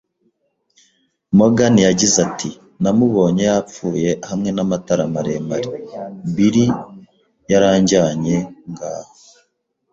Morgan yagize ati: "Namubonye yapfuye hamwe n'amatara maremare." “Billy yaranjyanye. Ngaho